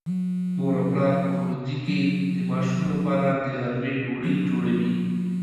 مور او پلار په ښوونځي کې د ماشوم لپاره د غرمې ډوډۍ جوړوي.